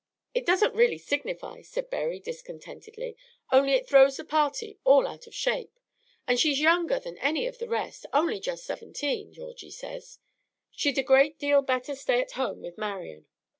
"It doesn't really signify," said Berry, discontentedly; "only it throws the party all out of shape. And she's younger than any of the rest, only just seventeen, Georgie says. She'd a great deal better stay at home with Marian."